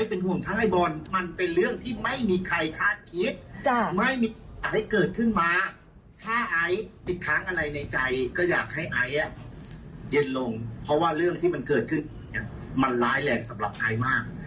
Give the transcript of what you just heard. เพราะว่าเรื่องที่มันเกิดขึ้นเนี่ยมันร้ายแหล่งสำหรับไอซ์มาก